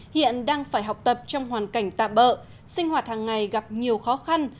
hiện đang phải học tập trong hoàn cảnh tạm bỡ sinh hoạt hàng ngày gặp nhiều khó khăn